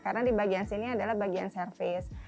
karena di bagian sini adalah bagian service